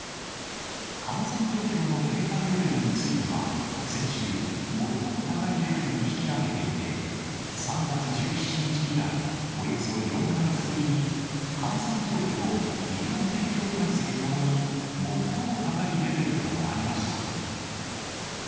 感染状況の警戒レベルについては、先週、最も高いレベルに引き上げていて、３月１７日以来、およそ４か月ぶりに、感染状況・医療提供体制ともに、最も高いレベルとなりました。